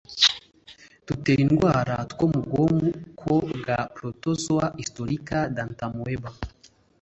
dutera indwara two mu bwoko bwa protozoa histolytica d'entamoeba.